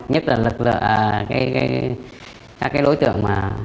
nhất là các đối tượng